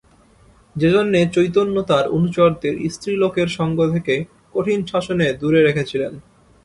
যেজন্যে চৈতন্য তাঁর অনুচরদের স্ত্রীলোকের সঙ্গ থেকে কঠিন শাসনে দূরে রেখেছিলেন।